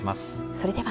それでは。